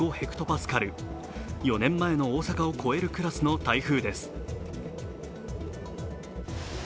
４年前の大阪を超えるクラスの台風です。